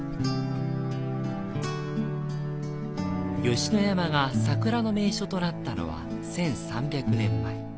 吉野山が桜の名所となったのは１３００年前。